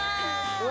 うわ！